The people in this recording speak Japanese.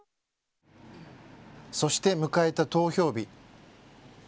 そして迎えた投票日。